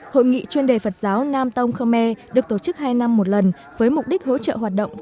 hội nghị chuyên đề phật giáo nam tông khmer được tổ chức hai năm một lần với mục đích hỗ trợ hoạt động